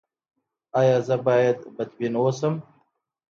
ایا زه باید بدبین اوسم؟